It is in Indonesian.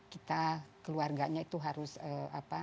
kita keluarganya itu harus apa